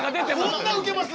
こんなウケます？